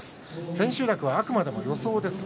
千秋楽はあくまでも予想です。